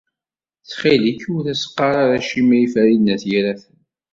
Ttxil-k, ur as-qqar acemma i Farid n At Yiraten.